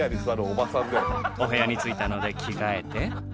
お部屋に着いたので着替えて。